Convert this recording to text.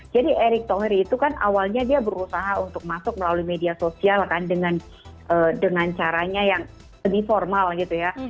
jadi erick thokir itu kan awalnya dia berusaha untuk masuk melalui media sosial kan dengan caranya yang lebih formal gitu ya